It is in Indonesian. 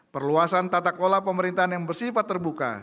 perluasan tata kelola pemerintahan yang bersifat terbuka